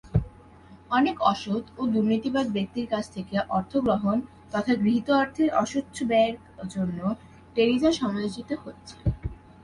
অনেক অসৎ ও দুর্নীতিবাজ ব্যক্তির কাছ থেকে অর্থ গ্রহণ তথা গৃহীত অর্থের অস্বচ্ছ ব্যয়ের জন্যও টেরিজা সমালোচিত হয়েছেন।